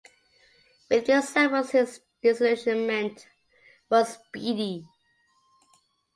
With these samples his disillusionment was speedy.